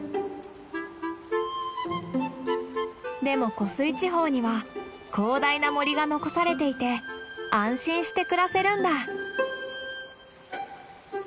でも湖水地方には広大な森が残されていて安心して暮らせるんだ。